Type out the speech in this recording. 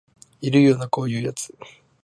いるよなこういうやつ